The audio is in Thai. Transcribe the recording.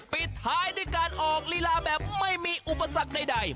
ปิดท้ายด้วยการออกลีลาแบบไม่มีอุปสรรคใด